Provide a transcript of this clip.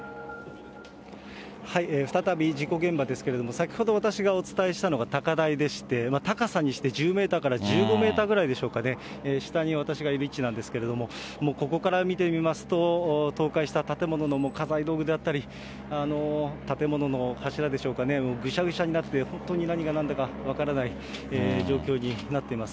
再び事故現場ですけれども、先ほど私がお伝えしたのが高台でして、高さにして１０メーターから１５メーターぐらいでしょうかね、下に私がいる位置なんですけれども、ここから見てみますと、倒壊した建物の家財道具であったり、建物の柱でしょうかね、ぐしゃぐしゃになって、本当に何がなんだか分からない状況になっています。